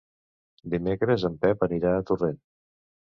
Dimecres en Pep anirà a Torrent.